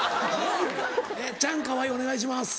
チャンカワイお願いします。